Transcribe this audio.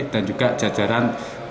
dan juga jajaran